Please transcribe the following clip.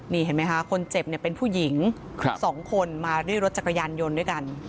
นี่เห็นไหมคะคนเจ็บเนี่ยเป็นผู้หญิง๒คนมาด้วยรถจักรยานยนต์ด้วยกัน